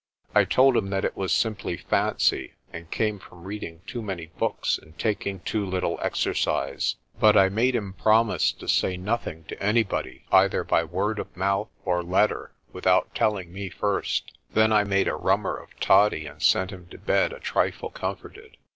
I told him that it was simply fancy, and came from read ing too many books and taking too little exercise. But I MR. WARDLAW'S PREMONITION 75 made him promise to say nothing to anybody either by word of mouth or letter, without telling me first. Then I made a rummer of toddy and sent him to bed a trifle comforted.